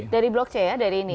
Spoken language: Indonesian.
dari blok c ya dari ini